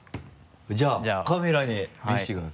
じゃあカメラに見せてください。